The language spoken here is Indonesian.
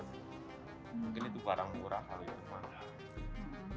mungkin itu barang murah kalau yang mana